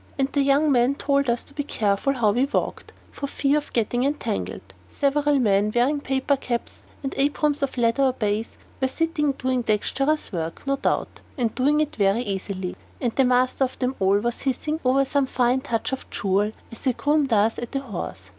And the young man told us to be careful how we walked, for fear of getting entangled. Several men, wearing paper caps and aprons of leather or baize, were sitting doing dextrous work, no doubt, and doing it very easily, and the master of them all was hissing over some fine touch of jewel as a groom does at a horse.